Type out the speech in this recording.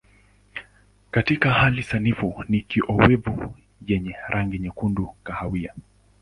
Katika hali sanifu ni kiowevu yenye rangi nyekundu kahawia.